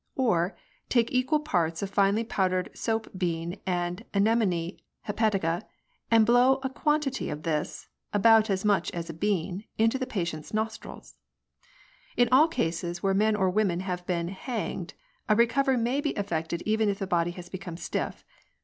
Or, Take equal parts of finely powdered soap bean and anemone hepatica, and blow a quantity of this — about as much as a bean — into the patient's nostrils. *' In all cases where men or women have been hanged, a recovery may be effected even if the body has become stiff.